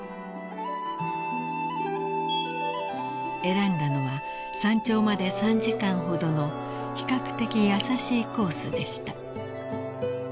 ［選んだのは山頂まで３時間ほどの比較的易しいコースでした］